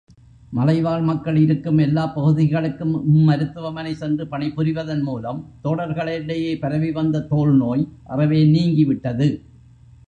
மலைவாழ் மக்கள் இருக்கும் எல்லாப் பகுதிகளுக்கும் இம்மருத்துவமனை சென்று பணிபுரிவதன் மூலம் தோடர்களிடையே பரவிவந்த தோல்நோய் அறவே நீங்கிவிட்டது.